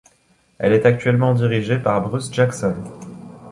Elle est actuellement dirigée par Bruce Jackson.